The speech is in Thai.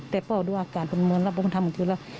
แต่พ่อดูอาการผลมนต์แล้วพ่อทำอยู่แล้ว